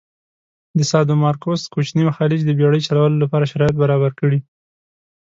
د سادومارکوس کوچینی خلیج د بېړی چلولو لپاره شرایط برابر کړي.